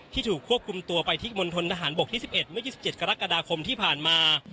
ถูกควบคุมตัวไปที่มณฑนทหารบกที่๑๑เมื่อ๒๗กรกฎาคมที่ผ่านมา